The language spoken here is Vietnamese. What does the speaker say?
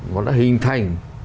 nó đã hình thành